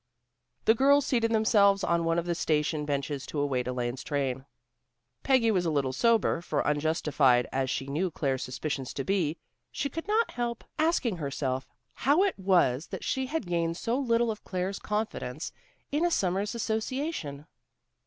The girls seated themselves on one of the station benches to await Elaine's train. Peggy was a little sober, for unjustified as she knew Claire's suspicions to be, she could not help asking herself how it was that she had gained so little of Claire's confidence in a summer's association.